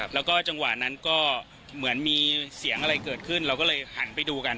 แล้วก็จังหวะนั้นก็เหมือนมีเสียงอะไรเกิดขึ้นเราก็เลยหันไปดูกัน